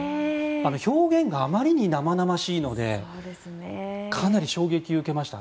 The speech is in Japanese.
表現があまりに生々しいのでかなり衝撃を受けました。